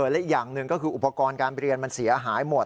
และอีกอย่างหนึ่งก็คืออุปกรณ์การเรียนมันเสียหายหมด